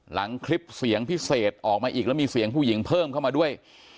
หลังคลิปเสียงพิเศษออกมาอีกแล้วมีเสียงผู้หญิงเพิ่มเข้ามาด้วย